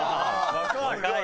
「若い。